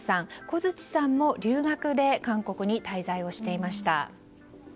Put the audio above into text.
小槌さんも留学で韓国に滞在をしていました。